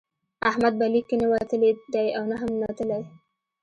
احمد به لیک کې نه وتلی دی او نه هم نتلی.